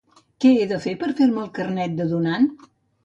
Què he de fer per fer-me el carnet de donant?